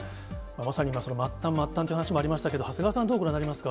まさに今、末端、末端という話もありましたけど、長谷川さん、どうご覧になりましたか。